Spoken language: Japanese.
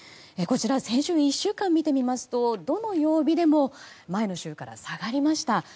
こちら、先週１週間を見てますとどの曜日でも前の週から下がりました。